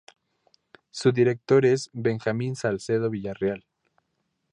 Su director es Benjamín Salcedo Villarreal.